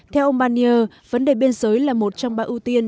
theo ông barnier vấn đề biên giới là một trong ba ưu tiên